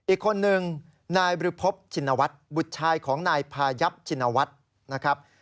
อีกคนนึงนายบริพบชินวัฒน์บุตรชายของนายพายับชินวัฒน์นะครับ